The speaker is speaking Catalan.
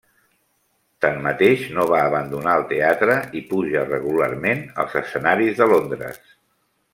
Tanmateix no va abandonar el teatre i puja regularment als escenaris de Londres.